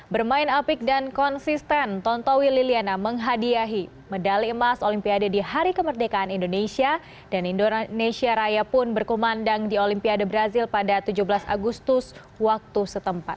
bermain apik dan konsisten tontowi liliana menghadiahi medali emas olimpiade di hari kemerdekaan indonesia dan indonesia raya pun berkumandang di olimpiade brazil pada tujuh belas agustus waktu setempat